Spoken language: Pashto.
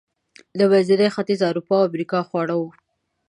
د منځني ختیځ، اروپایي او امریکایي خواړه و.